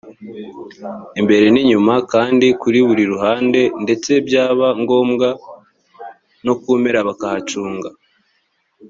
imbere n inyuma kandi kuri buri ruhande ndetse byaba ngombwa no ku mpera bakahacunga